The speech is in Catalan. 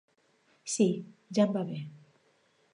Sí, ja em va bé.